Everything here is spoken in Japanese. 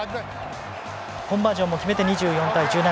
コンバージョンも決めて２４対１７。